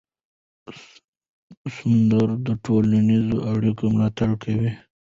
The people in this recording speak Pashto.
سندرې د ټولنیزو اړیکو ملاتړ کوي.